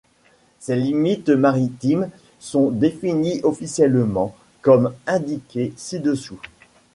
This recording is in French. Ses limites maritimes sont définies officiellement comme indiqué ci-dessous.